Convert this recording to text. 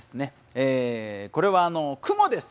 えこれは雲です。